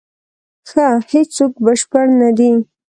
ښه، هیڅوک بشپړ نه دی.